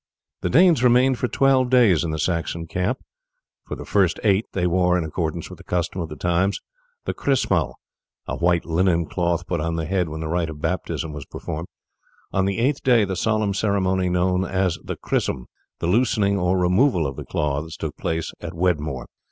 The Danes remained for twelve days in the Saxon camp. For the first eight they wore, in accordance with the custom of the times, the chrismal, a white linen cloth put on the head when the rite of baptism was performed; on the eighth day the solemn ceremony known as the chrism, the loosing or removal of the cloths, took place at Wedmore.